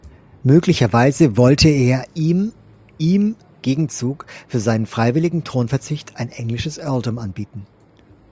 Möglicherweise wollte er ihm ihm Gegenzug für seinen freiwilligen Thronverzicht ein englisches Earldom anbieten.